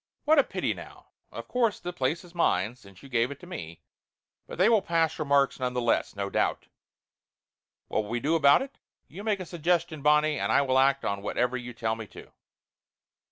"What a pity, now! Of course the place is mine, since you gave it to me, but they will pass remarks, none the less, no doubt. What will we do about it ? You make a suggestion, Bonnie, and I will act on whatever you tell me to."